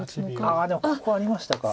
ああでもここありましたか。